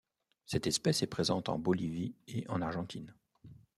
Cette espèce est présente en Bolivie et en Argentine.